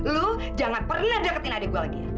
lu jangan pernah deketin adik gua lagi ya